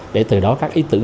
để từ đó các ý tưởng hạ tầng